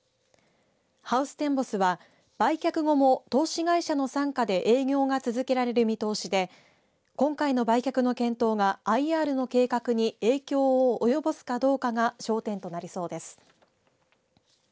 ハウステンボスは、売却後も投資会社の傘下で営業が続けられる見通しで今回の売却の検討がＩＲの計画に影響を及ぼすかどうかが焦点となりそうです。